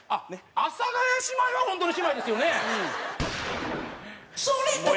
阿佐ヶ谷姉妹は本当の姉妹ですよね？